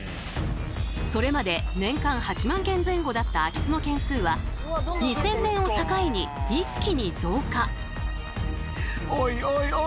それまで年間８万件前後だった空き巣の件数は２０００年を境に一気に増加。